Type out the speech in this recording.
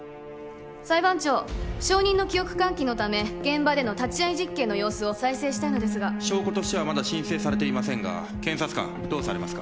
裁判長証人の記憶喚起のため現場での立ち会い実験の様子を再生したいのですが証拠としてはまだ申請されていませんが検察官どうされますか？